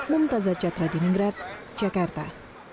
mumtazat chakra diningrat jakarta